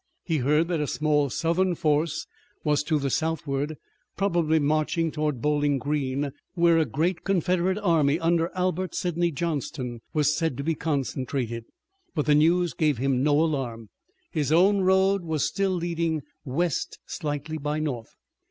He heard that a small Southern force was to the southward, probably marching toward Bowling Green, where a great Confederate army under Albert Sidney Johnston was said to be concentrated. But the news gave him no alarm. His own road was still leading west slightly by north.